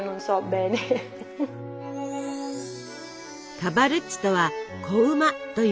カバルッチとは「子馬」という意味。